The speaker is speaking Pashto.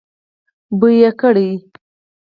بوی يې کړی.